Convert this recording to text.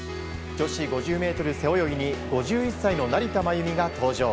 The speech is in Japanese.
女子５０ｍ背泳ぎに５１歳の成田真由美が登場。